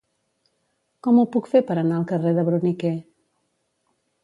Com ho puc fer per anar al carrer de Bruniquer?